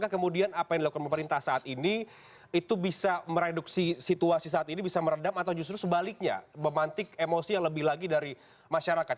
apakah kemudian apa yang dilakukan pemerintah saat ini itu bisa mereduksi situasi saat ini bisa meredam atau justru sebaliknya memantik emosi yang lebih lagi dari masyarakat